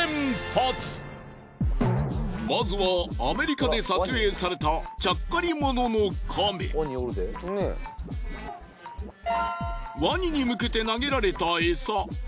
まずはアメリカで撮影されたワニに向けて投げられたエサ。